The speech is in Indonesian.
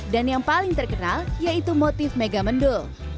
dan yang paling terkenal yaitu motif mega mendul